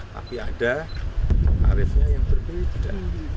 tapi ada tarifnya yang berbeda tidak